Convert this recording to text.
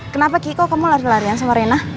kenapa gigi kok kamu lari larian sama reina